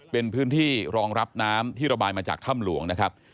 เป็นพื้นที่รองรับน้ำที่ระบายมาจากถ้ำหลวงนะครับ